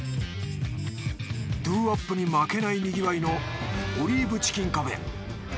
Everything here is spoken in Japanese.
ＤｏｏＷｏｐに負けない賑わいのオリーブチキンカフェ。